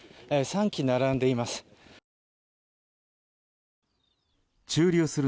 ３機並んでいます。